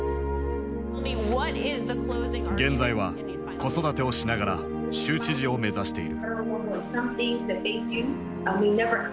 現在は子育てをしながら州知事を目指している。